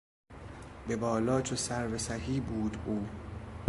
به بالا چو سروسهی بود او